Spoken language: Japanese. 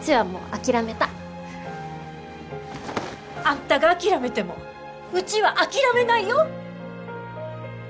あんたが諦めてもうちは諦めないよ！